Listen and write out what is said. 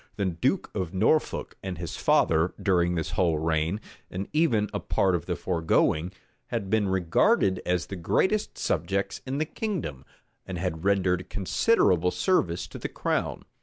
The duke of Norfolk and his father, during this whole reign, and even a part of the foregoing, had been regarded as the greatest subjects in the kingdom, and had rendered considerable service to the crown.